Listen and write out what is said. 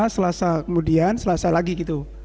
selasa kemudian selasa lagi gitu